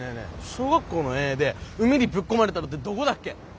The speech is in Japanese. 小学校の遠泳で海にぶっ込まれたのってどこだっけ？